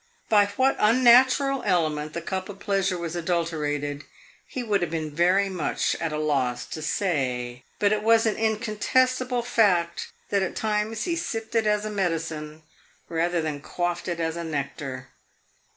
By what unnatural element the cup of pleasure was adulterated, he would have been very much at a loss to say; but it was an incontestable fact that at times he sipped it as a medicine, rather than quaffed it as a nectar.